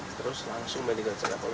terus langsung main di garjeng kapal